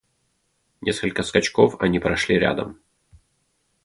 Несколько скачков они прошли рядом.